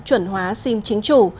chuẩn hóa sim chính chủ